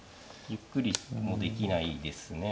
ゆっくりもできないですね。